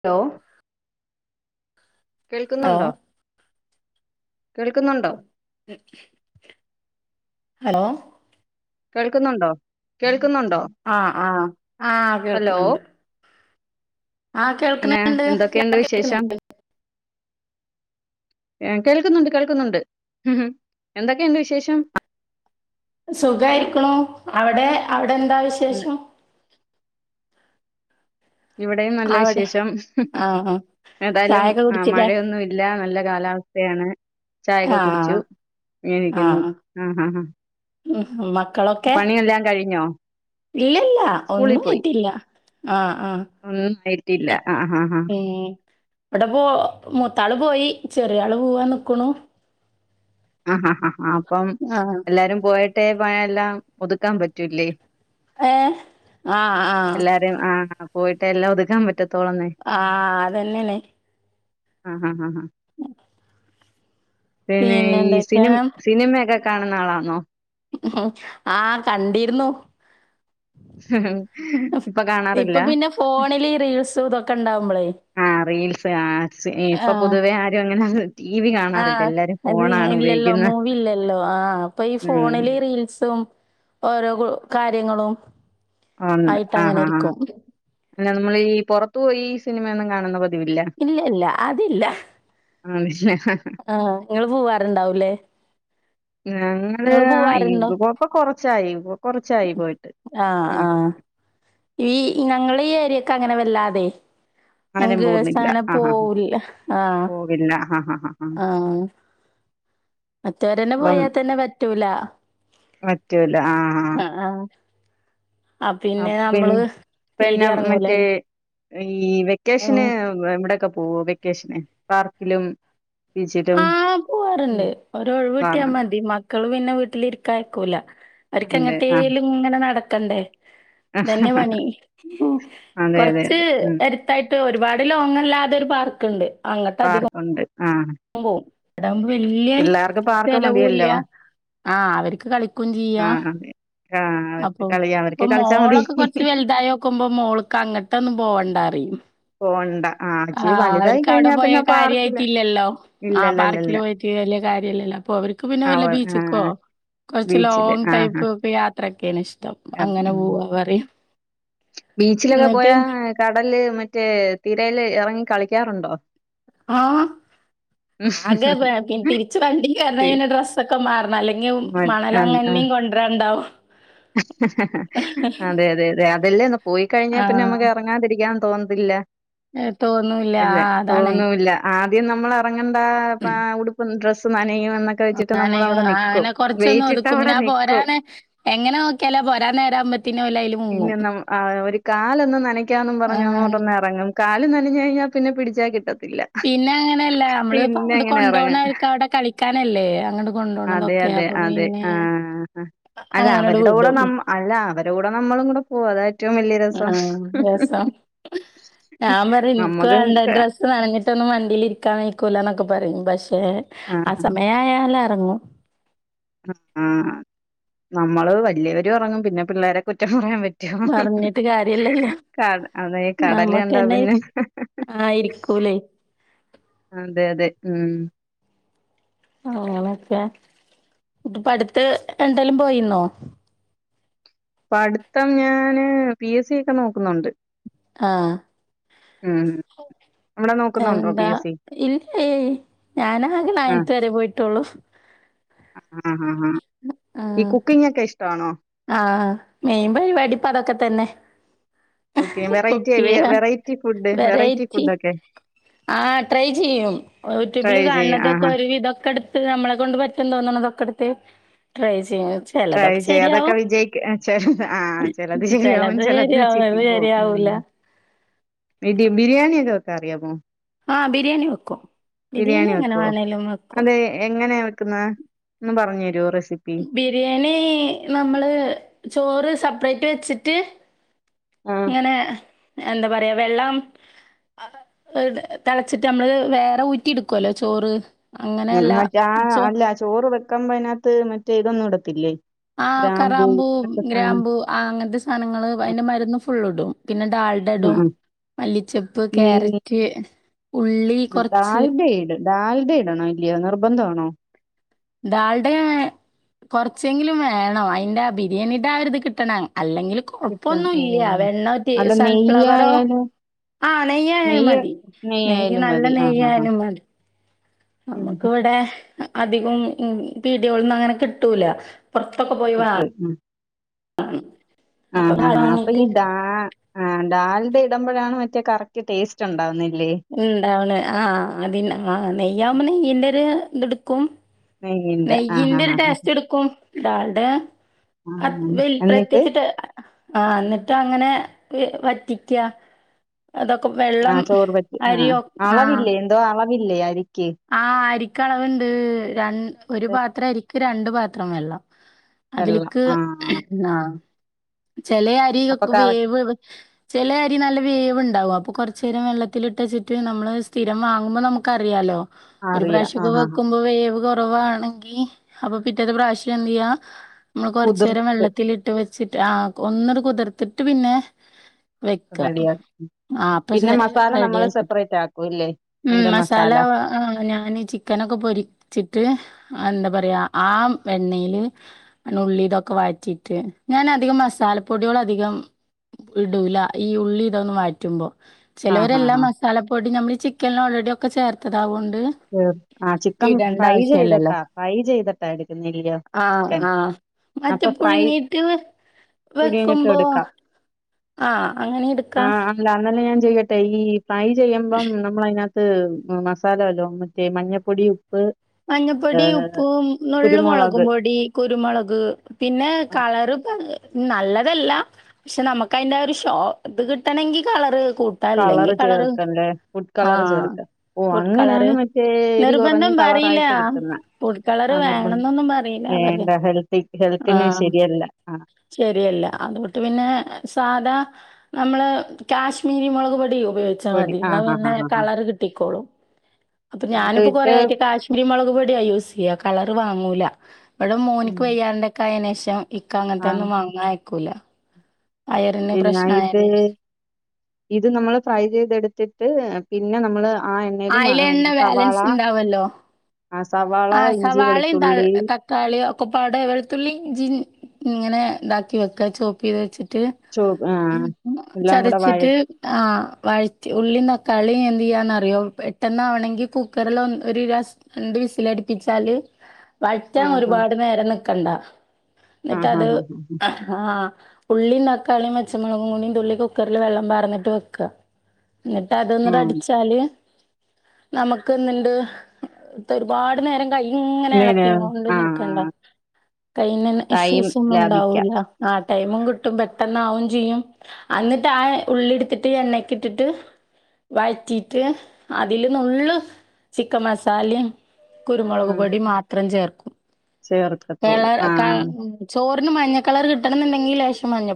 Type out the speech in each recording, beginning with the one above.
Hello hello കേൾക്കുന്നുണ്ടോ കേൾക്കുന്നുണ്ടോ hello കേൾക്കുന്നുണ്ടോ കേൾ ആ ആ ആ ഹലോ കേൾക്കുന്നുണ്ട് ആഹ് പിന്നെ കേൾക്കുന്നുണ്ട് എന്തൊക്കെയുണ്ട് ഇയാൾക്ക് വിശേഷം കേൾക്കുന്നില്ലേ കേൾക്കുന്നുണ്ട് കേൾക്കുന്നുണ്ട് എന്തൊ ക്കെ ഉണ്ട് വിശേഷം സുഖായിരിക്കണു അവിടെ അവിടെ എന്താ വിശേഷം ഇവിടെയും നല്ല അവിടെ വിശേഷം ആഹ് ഏതായാലും ചായൊക്കെ ആ കുടിച്ചില്ലേ മഴയൊന്നും ഇല്ല നല്ല കാലാവസ്ഥയാണ് ചായകെ കുടിച്ചു ആഹ് നിക്കുന്നു ആഹ് ആ ഹ ഹാ ഉം പണിയെല്ലാം കഴിഞ്ഞോ ഇല്ലല്ല സ്കൂളിൽ ഒന്നും പോയി കഴിട്ടില്ല ആ ഒന്നും ആയിട്ടില്ല ആ ആ ആ അവിടെ പോ മൂത്താള് പോയി ചെറിയ ആള് പോവാ നിക്കണു ആ ഹാ ആ അപ്പം ആഹ് എല്ലാരും പോയിട്ടേ എല്ലാം ഒതുക്കാൻ പറ്റൂല്ലേ ഏ ആ ആ പോയിട്ട് എല്ലാം ഒതുക്കാൻ പറ്റ ആഹ അതെന്നെയണെ ആ് ഹ ഹ് പിന്നെ ഈ സിനി സിനിമയൊക്കെ കാണുന്ന ആളാണോ ഉ ആ കണ്ടിരുന്നുു ഇപ്പൊ ഇപ്പൊ കാണാറില്ല? പിന്നെ ഫോണില് റീൽസും ഇതൊക്കെ ഇണ്ടാവുമ്പളേ ആഹ് റീൽസ് ആഡ്സ്. ഇപ്പൊ ആഹ്. പൊതുവേ ആരും അങ്ങനെ ടി വി കാണാറില്ല എല്ലാരും ഫോണാണ് ഉപയ ല്ലോ മൂവില്ലല്ലോ ആഹ് അപ്പൊ ഇ ഉം ഫോണില് റീൽസും ഓരോ കാര്യങ്ങളും. ഉണ്ട്. ആയിട്ട് ആഹ് അങ്ങനെ ആഹ് ഇരിക്കും. അല്ല നമ്മൾ ഈ പൊറത്തു പോയി ഈ സിനിമയൊന്നും കാണുന്ന പതിവില്ല ഇല്ലല്ല അതില്ല ആണല്ലേ ആഹ് ഇങ്ങള് പോവാറുണ്ടാവൂലേ ഞങ്ങള് ഇങ്ങള് ആഹ് പോവാറുണ്ടോ? ഇപ്പ കൊറച്ചായി. ഇപ്പൊ കൊറച്ചായി പോയിട്ട് ആ ഉം ആ. ഈ ഞങ്ങളെ ഈ ഏരിയെക്ക് അങ്ങനെ വല്ലാതെ ആരും പോകുന്നില്ല [unintelligible] ആഹ് ആഹ് പോവുല്ല ആഹ് പോകില്ല ആഹ് ആഹ് ആഹ് ആഹ് മറ്റവരന്നെ അപ്പം പോയാൽ തന്നെ പറ്റൂല. പറ്റൂല ആഹ് അപ്പിൻ പിന്നെ തീരെ മറ്റേ എറങ്ങൂലല്ലോ. ഈ ഉം. വെക്കേഷന് എവിടെയൊക്കെ പോവൊ വെക്കേഷന് പാർക്കിലും ബീച്ചിലും ആഹ് പോവാറുണ്ട്. ഒരു ഒഴിവ് കിട്ടിയാ കാണാറുണ്ട് മതി മക്കള് പിന്നെ വീട്ടിലിരിക്ക അയക്കൂല. അവർക്ക് അതെ ആ എങ്ങട്ടേലും ഇങ്ങനെ നടക്കണ്ടേ ഇതന്നെ പണി. അതെ അതെ കൊർച്ച് അതെ ഉം എടുത്തായിട്ട് ഒരുപാട് ലോങ്ങല്ലാതൊരു പാർക്ക് പാർക്കുണ്ട്. ആ പോവും അതാവുമ്പോ വല്ല്യെ പിള്ളേർക്ക് പാർക്ക് ചെലവുല്ല. മതിയല്ലോ ആഹ് അവര്ക്ക് കളിക്കും ആ ചെയ്യാ അതെ ആ അവർക്ക് അപ്പൊ കളി ഇപ്പൊ അവർക്ക് കളിച്ചാ മതി മോളൊക്കെ കൊർച്ച് വലുതായി നോക്കുമ്പോ മോൾക് അങ്ങട്ടൊന്നും പോവണ്ട. പോണ്ട ആ ഇച്ചിരി ആഹ് വലുതായി അവർക്ക് അവിടെ കഴിഞ്ഞാ പോയ പിന്നെ പാർക്കില് കാര്യയിട്ടില്ലല്ലോ. ആ പാർക്കിൽ ഇല്ലല്ലല്ലല്ല പോയിട്ട്. വല്യ കാര്യല്ലല്ലോ. അപ്പൊ അവർക്ക് പിന്നെ ആ വല്ല ഒ- ആ ബീച്ച്ക്കോ കൊറച്ച് ബീച്ചില് ലോങ് ആ ആ ടൈപ്പ് യാത്ര ക്ക്യാണ് ഇഷ്ടം. അതെ അങ്ങനെ ഉം പോവ പറിം. ബീച്ചിലൊക്കെ പോയാ കടല് മറ്റേ തിരയില് ഇറങ്ങി കളിക്കാറുണ്ടോ ആഹ് ആകെ തിരിച്ച് വണ്ടിക്ക് പി വരണെങ്കിൽ തന്നെ ഡ്രസ്സൊക്കെ മാറണം അല്ലെങ്കിൽ മ മണല് അൻ ആ [unintelligible] പന്ത്രണ്ടാവും അതെ അതെ അതെ അതല്ലേ എന്നാ പോയി കഴിഞ്ഞാ പിന്നെ ആഹ് നമുക്ക് ഇറങ്ങാണ്ടിരിക്കാൻ തോന്നത്തില്ല ഏഹ് തോന്നൂല്ല. അല്ല ആഹ് അതാണ്. തോന്നൂല്ല ആഹ് ആദ്യം നമ്മള് ഇറങ്ങണ്ട ആ ഉടുപ്പ് ഡ്രസ്സ് നനയും എന്നൊക്കെ ആ വെച്ചിട്ട് നനയും നമ്മളവിടെ ആ നിക്കും. അങ്ങനെ കൊറച്ചൊന്ന് ഒതുക്കും വെയിറ്റിട്ടവിടെ പിന്നെ നിക്കും. [unintelligible] എങ്ങനെ നോ ക്കിയാലേ പോരാൻ നേരം ആവുമ്പൊ ഇനിയൊന്ന് ഒരു കാലൊന്ന് നനക്കാന്നും പറഞ്ഞ് ആഹ് അങ്ങോട്ടൊന്ന് ഇറങ്ങും കാല് നനഞ്ഞ് കഴിഞ്ഞാൽ പിന്നെ പിടിച്ചാ കിട്ട പിന്നെ അങ്ങനെയല്ലേ നമ്മള് ഇപ്പ അങ്ങോട്ട് അങ്ങനെ കൊണ്ട് എറങ്ങ പോണത് അവർക്ക് അവിടെ കളിക്കാനല്ലേ അങ്ങോട്ട് കൊണ്ട് പോണത് അതെ അതെ ആ അല്ല അങ്ങനട് അവരുടെ കൂടെ വിടും. നമ്മ അല്ല അതൊ ക്കെ നമ്മളും കൂടെ പോവും അതാ ഏറ്റവും വല്യ രസം ആഹ് രസം. ഞാൻ പറയും എനിക്ക് നമ്മക്ക് വേണ്ട ഡ്രസ്സ് നനഞ്ഞിട്ടൊന്നും വണ്ടീൽ ഇരിക്കാൻ [unintelligible] ക്കെ പറയും പക്ഷെ ആ ആഹ് സമയായാല് ഇറങ്ങും ആഹ് നമ്മള് വല്ല്യയവരും ഇറങ്ങും പിന്നെ പിള്ളേരെ കുറ്റം പറയാൻ പ റ്റുവോ പറഞ്ഞിട്ട് കാര്യല്ലല്ലോ. അതേ കടല് കണ്ടാ പിന്നെ ആയിരിക്കൂല്ലേ അതെ അതെ ഉം ആ ഓക്കേ ഇപ്പ അടുത്ത് എന്തേലും പോയിരുന്നോ ഇപ്പോ അടുത്ത് ഞാന് പി എസ് സി ഒക്കെ നോക്കുന്നുണ്ട് ആഹ് ഉം അവിടെ ആ നോക്കുന്നുണ്ടോ പി എന്താ എസ് സി ഇല്ലേ ഞാനാകെ ആഹ് അയനത്ത് വരെ പോയിട്ടുള്ളു ആഹ് ആഹ് ഹാ ഈ കുക്കിംഗ് ഒക്കെ ഇഷ്ട ആണോ? ആഹ് ആഹ് മൈൻ പരിപാടി പ്പ അതൊക്കെ തന്നെ ക്കെ കുക്ക് വെറൈറ്റി ചെയ്യാ. വെറൈറ്റി ഫുഡ് വെറൈറ്റി ഫുഡൊക്കെ ആ ട്രൈ ചെയ്യും ട്രൈ യൂട്യൂബിൽ ചെയ്യും കാണണതൊക്കെ ആഹാ ഒരു വിതൊക്കെ എടുത്ത് നമ്മളെ കൊണ്ട് പറ്റൻ തോന്നണതൊക്കെ എടു ട്രൈ ചെയ ചിലതൊക്കെ ശെരിയാവുംോ ജയി ചെറത് ആ് ചെറത് ചെയ്യാവ ചെലത് ശരിയാവും ചെിലത്ച്ചിരിക്ക ഇത് പോ ഉ ശരിയാവൂല ഇ ബിരിയാണി ഒക്കെ വെക്കാറിയാമോ ആഹ് ബിരിയാണി വെക്കും ബിരിയാണി എങ്ങനെ വെക്കുവോ വേണേലും വെക്കും അതെ എങ്ങനെ ുന്ന ഒന്ന് പറഞ്ഞു തരുമോ റെസിപ്പി ബിരിയാണി നമ്മള് ചോറ് സെപ്പറേറ്റ് വെച്ചിട്ട് ആഹ് ഇങ്ങനെ എന്താ പറയാ വെള്ളം തിളച്ചിട്ട് നമ്മള് വേറെ ഊറ്റി എടുക്കുവല്ലോ ചോറ് ഉ അങ്ങനെയല്ല മറ്റേ ആ ചോ അല്ല ചോറ് വെക്കാ്പോ അതിനകത്ത് മറ്റേ ഇതൊന്നും ഇടുത്തില്ലേ ആ കറാമ്പൂ ഗ്രാമ്പൂ ആ അങ്ങനത്തെ സാധനങ്ങള്ൾ ആഹ് അതിന്റെ മരുന്ന് ഫുള് ഇടും പിന്നെ ഡാൾഡഡും ആഹ് മല്ലിച്ചപ്പ് ഈ ക്യാരറ്റ് ഉള്ളി കുറച്ച് ഡാൽഡ ഇടും ഡാൽഡ ഇടണോ ഇല്ലയോ നിർബന്ധമാണോ ന്താളുടെ കൊറച്ചെങ്കിലും വേണംോ അതിന്റെ ബിരിയാണീട്ട ആരി ഇത് കിട്ടണം അല്ലെങ്കിൽ കിട്ടണം കൊഴപ്പൊന്നും ഇല്ല ഓഹ് വെണ്ണ അല്ല സൺഫ്ലവറോ നെയ്യായാലും ആഹ നെയ്യായാലും നെയ്യ് മതി നെയ്യ് നെയ്യായാലും നല്ല മതി ആഹ് ആഹ് ആഹ് നെയ്യായാലും മതി ഉം ഉം നമുക്ക്ിവിടെ അധികം പീടോളന്നും അങ്ങനെ കിട്ടൂല പുറത്തൊക്കെ പോയി വ ആഹ ഉ ആഹ ആാ ആാ അപ്പൊ ഈ ഡാ ആഹ ഡാാലിുടെ ഇടുമ്പോഴാണ് മറ്റേ കറക്റ്റ് ടേസ്റ്റ് ഉണ്ടാവുന്ന ഉണ്ടാവണ് ആഹ അതി ആ നെയ്യാമ്മ നെയ്യന്റെ ഒരു ഇത് എടുക്കും ആഹ് നെയ്യിന്റെ ആഹ് ഒരു ആഹ് ടാസ്റ്റ് എടുക്കും ഡാൾഡ് അ ആഹ് എന്നിട്ട് പ്രത്യേകിച്ചിട്ട് ആ എന്നിട്ട് അങ്ങനെ വറ്റിക്ക ആഹ ചോറ് പറ്റി ആ അളവില്ലേ എന്തോ അളവില്ലേ ആും ആഹ അരിക്കളവുണ്ട് ര ഒരു പാത്രം അരിക്ക് രണ്ട് പാത്രം വെള്ളം വെള്ളം അതിലക്ക് ആഹ് ആഹ ചില അരി അപ്പൊ കറ വേവ് ചില അരി നല്ല വേവ് ഉണ്ടാവും അ അപ്പൊ കുറച്ച നേരം വെള്ളത്തിത്തില ഇട്ടച്ചിട്ട് നമ്മള് സ്ഥിരം വാങ്ങ്പോ നമുക്ക് അറിയാാലോ ഒരു അറിയാം പ്രഷഖ ആഹ് ആഹ് വെക്കുമ്പോ വേവ കുറവാണെങ്കിൽ അപ്പൊ പിറ്റേത്തെ പ്രാവശ്യം എന്ത് ചെയ്യാ നമ്മ കൊറച്ച നേരം കുതിർത്ത് വെള്ളത്തി ഇട്ട് വെച്ചി ആ ഒന്നരു കുതിർത്തിട്ട് പിന്നെ വെക്ക കപടിയ ആ അപ്പ റെഡി ആയിക്കോട്ടും ആക്കും ഇല്ലേ മ അയിന്റെ മസാല ആ ഞാൻ ചിക്കന ഒക്കെ പൊരിച്ചിട്ട് എന്താ പറയാ ആ വെണ്ണയില് നുള്ളി ഇതൊക്കെ വാറ്റിട്ട് ഞാൻ അധികം മസാലപ്പൊടികള അധികം ഇടൂല ഈ ഉള്ളി ഇതൊന്ന് മാറ്റുമ്പോൾ ആഹ് ആഹ് ചിലവരെല്ലാം ആഹ് മസാല പൊടി നമ്മൾ ഈ ചിക്കന ഓൾറെഡി ഒക്കെ ചേർത്തതാവണ്ട് ആ ചിക്കൻ ഫ്രൈ ആവശ്യല്ലല്ലോ ചെയ്തട്ടാ ഫ്രൈ ചെയ്തട്ടാ എടുക്കുന്നല്ലയോ ആഹ് ആഹ മറ്റേ പുഴുങ്ങീട്ട് പിടിങ്ങിട്ട് വെക്കുമ്പോ എടുക്കാം ആഹ അങ്ങനെ എടുക്കാ ല്ലെ ഞാൻ ചെയ്യട്ടെ ഈ ഫ്രൈ ചെയ്യുമ്പം നമ്മള അതിനകത്ത് മസാലല്ലോ മഞ്ഞ പൊടി ഉ മഞ്ഞപ്പൊടി ഉപ്പും നള്ുമ മുളകും കുരുമുളക് പൊടി കുരുമുളക് പിന്നെ കളറ് നല്ലതല്ല പക്ഷെ നമുക്ക് അതിന്റെ ഒരു ഷോ ഇത് കിട്ടണമെങ്കിൽ കളറ് കളറ് കെ ക ചേർക്കണ്ടേ ഫുഡ് കളർ ചേർക്ക ഓ അങ്ങനെയാണ് മറ്റേ എരി ക കുറഞ്ഞ് നി അയില്ല കളറായിട്ട് കിട്ടുന്ന ഫുട് കളർ ആ നിർബന്ധം വേണംന്നൊന്നും പറയില്ല അവർക്ക് വേണ്ട ഹെൽത്തി ഹെൽത്തിന് ആഹ് ശരിയല്ല ആ ശരിയല്ല അതൊട്ട് പിന്നെ സാധാ നമ്മള് കാശ്മീരി മുളക് പൊടിയും പയോഗിച്ചാ പൊടി മതി ആ ന്നാ ആ ആ പിന്നെ ആ ആ കളറ് കിട്ടിക്കോളും അപ്പൊ അത് ഞാനിപ്പോ വിട്ട് കൊറെയായിട്ട് കാശ്മീരി മുളക് പൊടിയാ യൂസ് ചെയ്യ കള വാങ്ങൂല ഇവിടെ ഉം, മോൻക്ക് വയ്യാണ്ടെക്കായെനേഷം ഇക്ക ആ അങ്ങനത്തെന്നും വാങ്ങ കുല പിന്നെ ഇത് ഇത് നമ്മൾ ഫ്രൈ ചെയ്തെടുത്തിട്ട് പിന്നെ നമ്മള് ആഹ് എണ്ണെൽ മ അയിലെണ്ണ സവാള ബാലൻസ് ഇണ്ടാവല്ലോ. ആ സവാള ആഹ് ഇഞ്ചി സവാളിയും ത വെളുത്തുള്ളി തക്കാളിയും ഒക്കപ്പാട് വെളുത്തുള്ളിം ഇഞ്ചി ഇങ്ങനെ താക്കി വെക്ക ചോപ്പെയ്ത് വെച്ച് ട്ട് ചോ ആ എല്ലാം കൂടെ വഴ [unintelligible] ന്ത്യയാന്നറിയോ പെട്ടെന്ന് ആവണെങ്കി കുക്കറിൽ ഒര സ രണ്ട് വിസിലടിപ്പിച്ചാല് ആ വറ്റാൻ ആ ഒരുപാട് നേരം നിക്കണ്ട ആ ആ എന്നിട്ടത് ആഹ് ഉള്ളി താക്കാളിം പച്ചമുളകും കുടിയും തുള്ളി കുക്കറിൽ വെള്ളം പാർന്നിട്ട് വെക്ക എന്നിട്ട് ആ ആ അതൊന്ന് അടിച്ചാല് നമുക്ക് എന്നിന്റെ ത പാട് നേരം കൈ ഇങ്ങനെ ഇളക്കീങ്ങോണ്ട് ആ ആ നിക്കണ്ട കയ്യിന്നെ തൈം ഇഷ്യൂസൊന്നു ലാഭിക്കാം ഉണ്ടാവൂല്ല ആഹ് ടൈമും കിട്ടും പെട്ടെന്ന് ആവും ചെയ്യും അന്നിട്ട് ആഹ് ഉള്ളി എടുത്തിട്ട് എണ്ണക്കിട്ടിട്ട് വഴറ്റീട്ട് അതില്ന്നുള്ള് ചിക്കൻ മസാലയും ആ കുരുമുളക് പൊടി മാത്രം ചേർ ചേർക്കത്തോള് വേളെ ആഹ് മഞ്ഞ കളർ കിട്ടണന്ന്ണ്ടെങ്കിൽ ലേശം മഞ്ഞ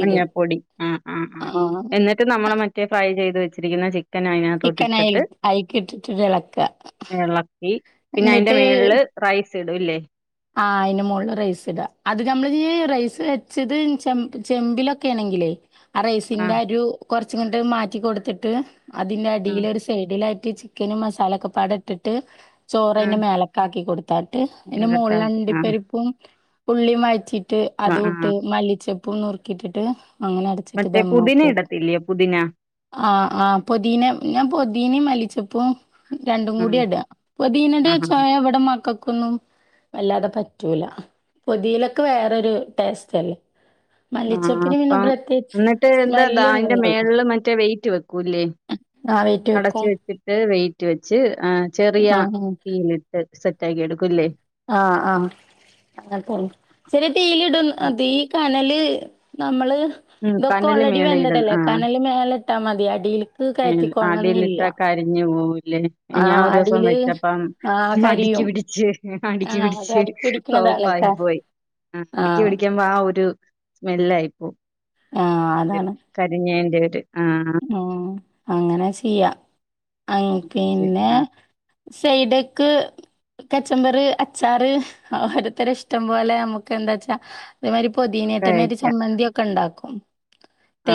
മഞ്ഞപ്പൊടി ഉം ഉം ഉം എന്നിട്ട് നമ്മള് മറ്റേ ഫ്രൈ ചെയ്ത് വെച്ചിരിക്കുന്ന ചി ക്കനയ്നാത്തോട്ട് ചിക്കൻ അയിൽ ഇട്ടിട്ട് അയിക്കിട്ടിട്ട് എളക്ക. ഇളക്കി പിന്നെ അയിന്റെ മേളില് റൈസ് കേടുല്ലേ ആഹ് അയിന് മോളില് റൈസ് ഇടാ അത് നമ്മള് റൈസ് വെച്ചത് ചെമ്പി ചെമ്പിലൊക്കെ ആണ [unintelligible] അ റൈസി ആഹ് ആഹ് ചിക്കനും മസാലൊക്കെപ്പാടെ ഇട്ടിട്ട് ചോറയിൻ്റെ ആഹ് മേലാക്കാക്കി കൊടുത്താട്ട് അയിൻ്റെ മോള് ഇരട്ടാക്കി ആഹ് ണ്ടിപ്പരിപ്പും ഉള്ളി വഴറ്റീട്ട് ആഹ് അതുട്ട് ആഹ് മല്ലിച്ചപ്പും നുറുക്കിയിട്ടിട്ട് അങ്ങനെ അടച്ചിട്ട് മറ്റേ പുതിന ധമ്മാക്കിയാതി ഇടത്തില്ലയോ പുതിന ആഹ് ആഹ് പൊതിന ആഹ് പ്പോ ആഹ് അല്ലാതെ പറ്റൂല [inaudible] ആഹ് മല്ലിച്ചപ്പിന് പിന്നെ അപ്പം പ്രത്യേകിച്ച് ന്നിട്ട് ന്താ തായിന്റെ സ്മെല്ല്ണ്ടെന്നൊള്ളു. മേളില് മറ്റേ വെയിറ്റ് വെക്കൂല്ലേ ആഹ് വെയിറ്റ് അടച്ചു വെക്കും വെച്ചിട്ട് വെയിറ്റ് റ്റ് വെച്ച് ആഹ് ചെറിയ ആഹ് ആഹ് തീയിലിട്ട് സെറ്റ് ആക്കി എടുക്കുല്ലേ ആഹ് ആഹ് അങ്ങന ശരി തീയിലിടും തീ കണ ല് നമ്മള് ഉം ഇതൊക്കെ കനല് ഓൾറെഡി മേളിൽ ഇടും വെന്തതല്ലേ ആഹ് കനല് മേല ഇട്ടാ മതി അടീൽക്ക് കയറ്റിക്കൊണന്നല്ല കരിഞ്ഞ് പോവൂലേ ഞാൻ ഒരു ദിവസം വച്ചപ്പ ആഹ് കരിയും. മടിക്കിപിടിച്ച് ആഹ് അത് അടിക്ക് പിടിക്കണതാണൊക്കെ ആഹ് [unintelligible] [unintelligible] ആഹ് അതാണ് ഒരു ആ ഉം അങ്ങനെ ചെയ്യാ ഐയ് ശരി. പിന്നെ ആ സൈഡിക്ക് കച്ചമ്പറ് അച്ചാറ് ഓരോരുത്തരെ ഇഷ്ടം പോലെ നമ്മുക്ക് എന്താച്ചാ അതേ മാതിരി പൊതിനെ ട്ടെന്നെ ഒരു കഴിക്കാം ചമ്മന്തിയൊക്കെണ്ടാക്കും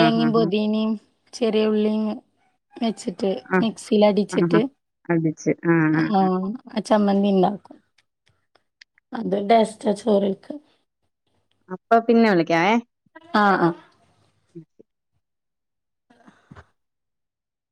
ആ ഹാ ഹാ പൊതീനിം ചെറിയ ഉള്ളിങ് വെച്ചിട്ട് ആ ആ ഹാ മിക്സിലടിച്ചിട്ട് അടിച്ച് ആ ആ ആ [unintelligible] സമ്മന്തി ണ്ടാക്കും അത് ഡെസ്‌റ്റ ചോറിൽക്ക് അപ്പൊ പിന്നെ വിളിക്കാവേ ആഹ് ആ ഹ് [unintelligible]